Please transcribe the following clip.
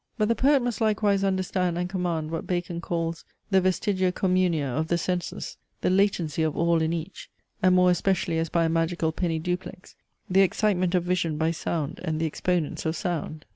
But the poet must likewise understand and command what Bacon calls the vestigia communia of the senses, the latency of all in each, and more especially as by a magical penny duplex, the excitement of vision by sound and the exponents of sound.